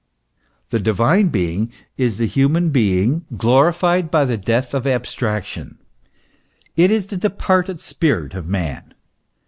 The Divine Being is the human being glorified by the death of abstraction; it is the departed spirit of man.